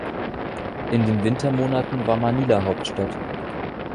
In den Wintermonaten war Manila Hauptstadt.